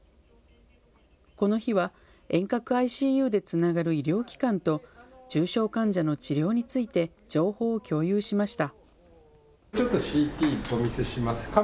この日は遠隔ＩＣＵでつながる医療機関と重症患者の治療について情報を共有しました。